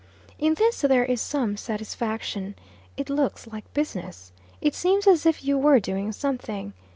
In this there is some satisfaction. It looks like business. It seems as if you were doing something.